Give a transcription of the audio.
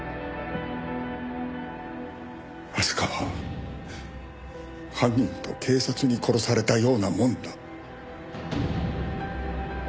明日香は犯人と警察に殺されたようなもんだ。